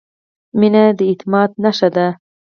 • مینه د اعتماد نښه ده.